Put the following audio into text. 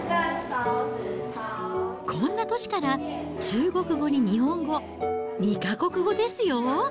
こんな年から中国語に日本語、２か国語ですよ。